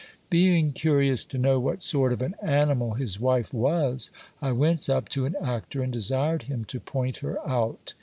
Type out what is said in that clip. Being curious to know what sort of an animal his wife was, I went up to an actor and desired him to point her out.